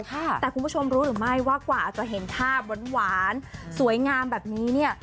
แต่คุณผู้ชมรู้หรือไม่ว่ากว่าจะเห็นภาพหวานสวยงามแบบนี้เนี่ย